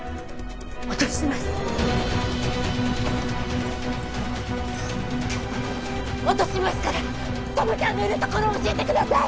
落とします落としますから友ちゃんのいる所を教えてください！